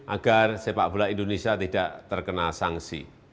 agar sepak bola indonesia tidak terkena sanksi